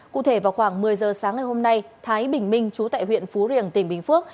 cụ thể vào khoảng một mươi giờ sáng ngày hôm nay thái bình minh chú tại huyện phú riềng tỉnh bình phước